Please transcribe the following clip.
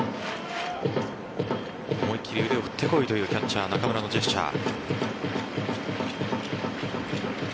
思い切り腕を振ってこいというキャッチャー中村のジェスチャー。